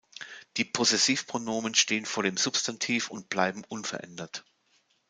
Die Possessivpronomen stehen vor dem Substantiv und bleiben unverändert.